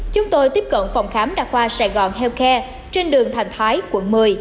chúng tôi tiếp cận phòng khám đa khoa sài gòn health care trên đường thành thái quận một mươi